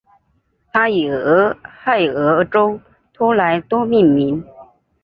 它以俄亥俄州托莱多命名。